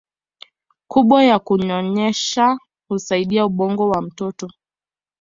kubwa ya kunyonyesha husaidia ubongo wa mtoto